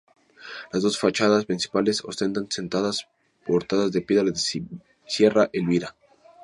Las dos fachadas principales ostentan sendas portadas de piedra de Sierra Elvira.